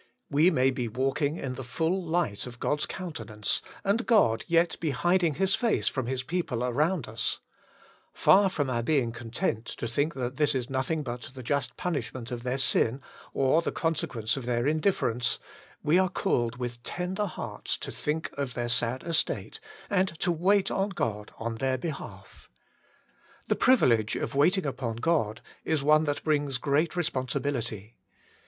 We may be walking in the full light of God's countenance, and God yet be hiding His face from His people around us ; far from our being content to think that this is nothing but the just punishment of their ein, or the consequence of their indiffer* WAITING ON GODl . 85 ence, we are called with tender hearts to think of their sad estate, and to wait on God on their hehalf. The privilege of waiting upon God is one that brings great responsibility.